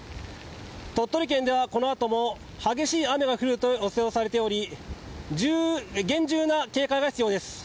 鳥取県ではこのあとも激しい雨が降ると予想されており厳重な警戒が必要です。